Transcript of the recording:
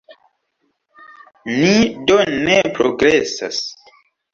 Ni do ne progresas.